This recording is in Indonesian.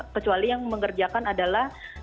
kecuali yang mengerjakan adalah